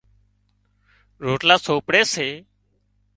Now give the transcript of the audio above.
روٽلا سوپڙي سي